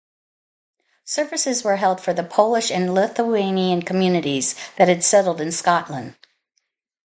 Services were held for the Polish and Lithuanian communities that had settled in Scotland.